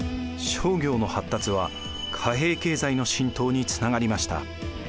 商業の発達は貨幣経済の浸透につながりました。